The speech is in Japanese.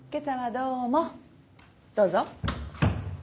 どうぞ。